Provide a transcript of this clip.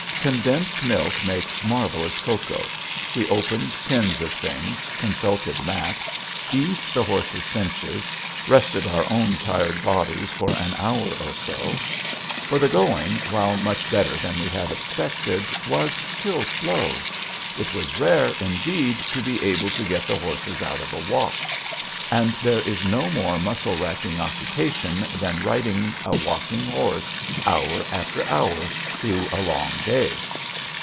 Condensed milk makes marvelous cocoa. We opened tins of things, consulted maps, eased the horses' cinches, rested our own tired bodies for an hour or so. For the going, while much better than we had expected, was still slow. It was rare, indeed, to be able to get the horses out of a walk. And there is no more muscle racking occupation than riding a walking horse hour after hour through a long day.